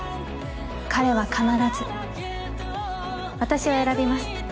彼は必ず私を選びます。